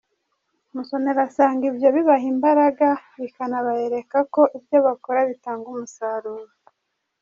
Musonera asanga ibyo bibaha imbaraga bikanabereka ko ibyo bakora bitanga umusaruro.